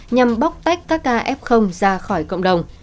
nhằm bóc tách các ca f ra khỏi cộng đồng